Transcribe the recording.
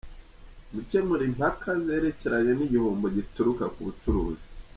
Gukemura impaka zerekeranye n’igihombo gituruka ku bucuruzi.